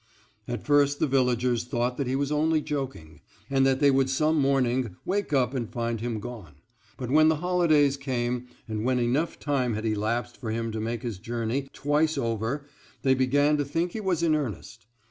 At first the villagers thought that he was only joking, and that they would some morning wake up and find him gone; but when the holidays came, and when enough time had elapsed for him to make his journey twice over they began to think he was in earnest.